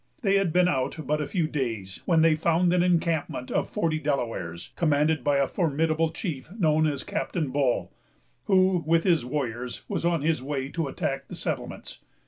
They had been out but a few days, when they found an encampment of forty Delawares, commanded by a formidable chief, known as Captain Bull, who, with his warriors, was on his way to attack the settlements.